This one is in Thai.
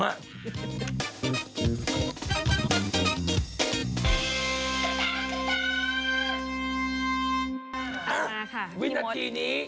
มาค่ะวินาทีนี้